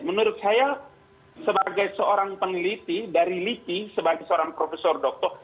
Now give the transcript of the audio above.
menurut saya sebagai seorang peneliti dari liki sebagai seorang profesor dokter